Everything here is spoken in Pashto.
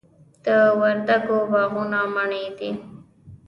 د وردګو باغونه مڼې دي